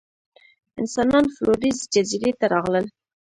انسانان فلورېس جزیرې ته راغلل.